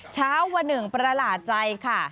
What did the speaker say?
เช้าวันหนึ่งประหลาดใจค่ะ